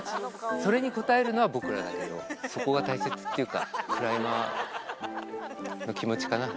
それに応えるのは僕らだけど、そこが大切っていうか、クライマーの気持ちかな。